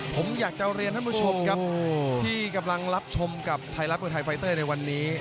ผมอยากจะเรียนท่านผู้ชมครับที่กำลังรับชมกับไทยรัฐมวยไทยไฟเตอร์ในวันนี้